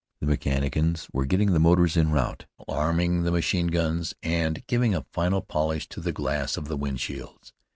The mechanicians were getting the motors en route, arming the machine guns, and giving a final polish to the glass of the wind shields.